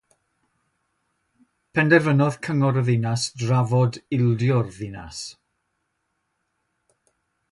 Penderfynodd cyngor y ddinas drafod ildio'r ddinas.